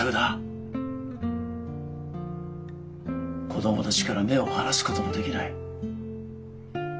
子供たちから目を離すこともできない。